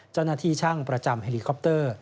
เจ้าหน้าที่ช่างประจำเฮลิคอปเตอร์